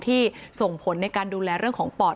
ส่งผลในการดูแลเรื่องของปอด